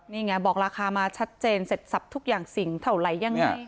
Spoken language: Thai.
นี่ไงบอกราคามาชัดเจนเสร็จสับทุกอย่างสิ่งเท่าไหร่ยังไง